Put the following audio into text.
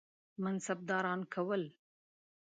منصبداران کول.